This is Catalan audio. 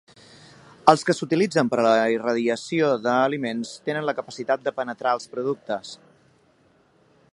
Els que s'utilitzen per a la irradiació d'aliments tenen la capacitat de penetrar als productes.